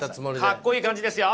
かっこいい感じですよ！